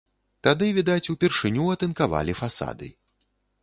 Тады, відаць, упершыню атынкавалі фасады.